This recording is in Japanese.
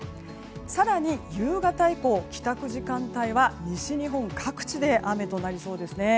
更に、夕方以降帰宅時間帯は西日本各地で雨となりそうですね。